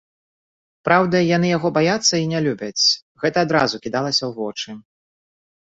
Праўда, яны яго баяцца і не любяць, гэта адразу кідалася ў вочы.